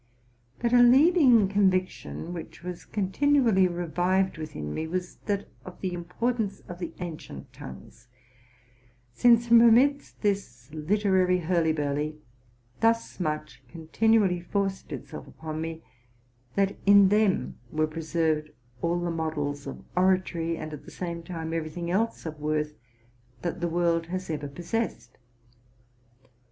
But a leading conviction, which was continually revived within me, was that of the importance of the ancient tongues ; since from amidst this literary hurly burly, thus much continually forced itself upon me, that in them were preserved all the models of oratory, and at the same time every thing else of worth that the world has ever possessed.